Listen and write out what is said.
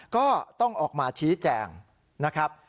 ก็ต้องออกมาชี้แจงนะครับ